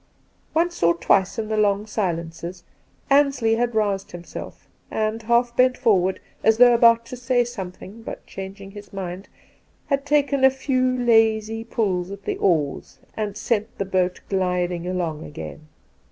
Once or twice in the long silences Ansley had roused himself, and half bent forward, as though about to say something, but, changing his mind, had taken a few lazy pulls at the oars and sent the boat gliding along again.